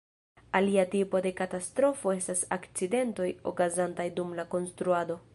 Alia tipo de katastrofo estas akcidentoj okazantaj dum la konstruado.